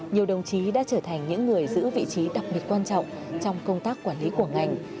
nhiều đồng chí đã trở thành những người giữ vị trí đặc biệt quan trọng trong công tác quản lý của ngành